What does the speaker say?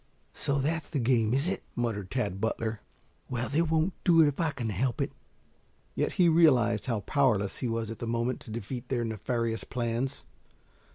"So that's the game is it?" muttered Tad Butler. "Well, they won't do it if I can help it." Yet be realized how powerless he was at that moment to defeat their nefarious plans.